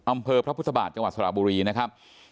อำเภอพระพุทธบาทจังหวัดสระบุรีนะครับ